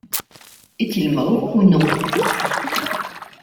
Est-il mort, ou non ?…